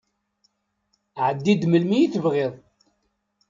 Ɛeddi-d melmi i tebɣiḍ.